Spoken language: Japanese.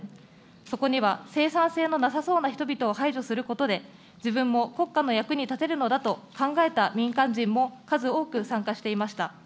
そこには、生産性のなさそうな人々を排除することで、自分も国家の役に立てるのだと考えた民間人も数多く参加していました。